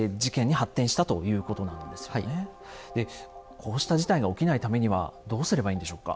こうした事態が起きないためにはどうすればいいんでしょうか？